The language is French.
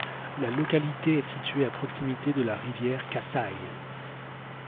La localité est située à proximité de la rivière Kasaï.